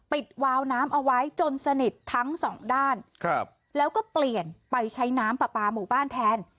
วาวน้ำเอาไว้จนสนิททั้งสองด้านครับแล้วก็เปลี่ยนไปใช้น้ำปลาปลาหมู่บ้านแทน